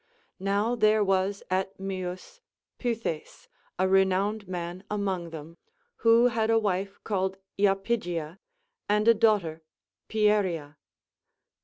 Now there was at Myus Pythes, a renowned man among them, who had a wife called lapygia, and a daughter Pieria.